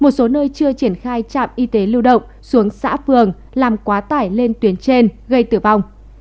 một số nơi chưa triển khai trạm y tế lưu động xuống xã phường làm quá tải lên tuyến trên gây tử vong